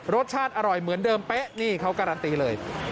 รสชาติอร่อยเหมือนเดิมเป๊ะนี่เขาการันตีเลย